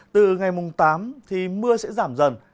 từ ngày mùng tám thì mưa sẽ giảm dần